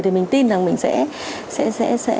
thì mình tin rằng mình sẽ giúp anh